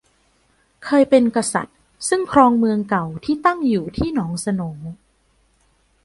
เคยเป็นกษัตริย์ซึ่งครองเมืองเก่าที่ตั้งอยู่ที่หนองโสน